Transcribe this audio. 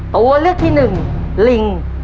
ตัวเลือกที่หนึ่งลิง